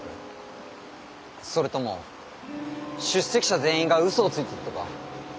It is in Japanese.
それとも出席者全員がうそをついているとか？